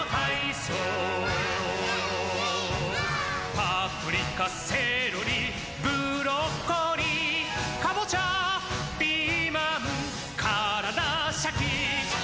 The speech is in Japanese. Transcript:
「パプリカセロリブロッコリー」「カボチャピーマンからだシャキッ！